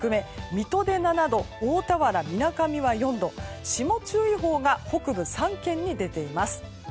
水戸で７度大田原、みなかみは４度霜注意報が北部３県に出ています。